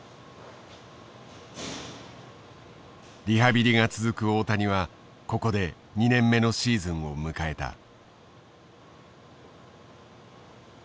リハビリが続く大谷はここで２年目のシーズンを迎えた。